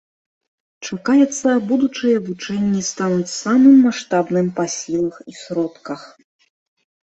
Чакаецца, будучыя вучэнні стануць самым маштабным па сілах і сродках.